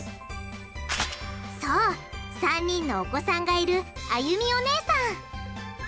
そう３人のお子さんがいるあゆみおねえさん。